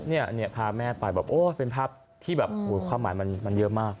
เนี่ยพาแม่ไปแบบโอ้ยเป็นภาพที่แบบความหมายมันเยอะมาก